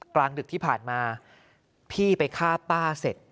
กลางดึกที่ผ่านมาพี่ไปฆ่าป้าเสร็จ